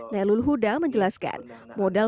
nelul huda menjelaskan modal